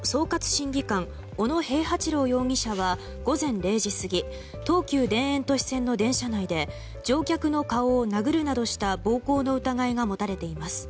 審議官小野平八郎容疑者は午前０時過ぎ東急田園都市線の電車内で乗客の顔を殴るなどした暴行の疑いが持たれています。